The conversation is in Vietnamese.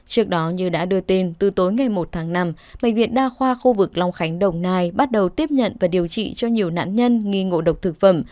trước đó như đã đưa tin từ tối ngày một tháng năm bệnh viện đa khoa khu vực long khánh đồng nai bắt đầu tiếp nhận và điều trị cho nhiều nạn nhân nghi ngộ độc thực phẩm